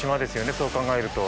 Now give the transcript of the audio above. そう考えると。